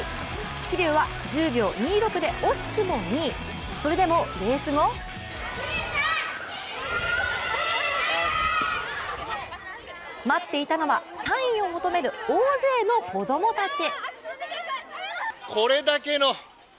桐生は１０秒２６で惜しくも２位それでもレース後待っていたのはサインを求める大勢の子供たち。